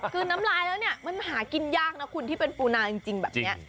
คือน้ำลายแล้วเนี่ยมันหากินยากนะคุณที่เป็นปูนาจริงแบบนี้